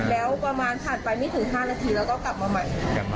แล้วประมาณผ่านไปไม่ถึง๕นาทีแล้วก็กลับมาใหม่